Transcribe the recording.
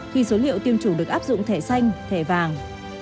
khi số liệu tiêm chủng được áp dụng thẻ xanh thẻ vàng